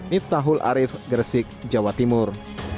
miftahul arif gersik jawa timur